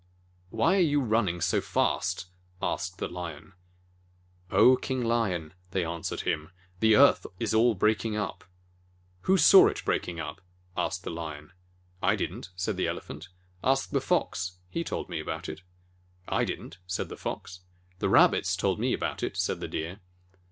"Why are you running so fast ?" asked the Lion. "Oh, King Lion," they answered him, "the earth is all breaking up!" "Who saw it breaking up?" asked the Lion. "I did n't," said the Elephant. "Ask the Fox he told me about it." "I did n't," said the Fox. "The Rabbits told me about it," said the Deer.